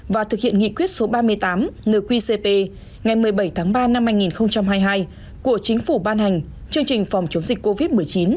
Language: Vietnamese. căn cứ tình hình khả năng đáp ứng dịch covid một mươi chín của nước ta và thực hiện nghị quyết số ba mươi tám nqcp ngày một mươi bảy tháng ba năm hai nghìn hai mươi hai của chính phủ ban hành chương trình phòng chống dịch covid một mươi chín